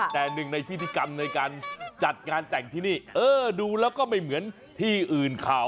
แต่หนึ่งในพิธีกรรมในการจัดงานแต่งที่นี่เออดูแล้วก็ไม่เหมือนที่อื่นข่าว